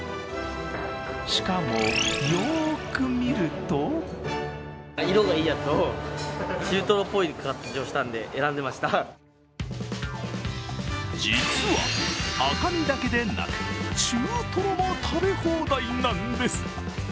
しかも、よく見ると実は、赤身だけでなく、中とろも食べ放題なんです。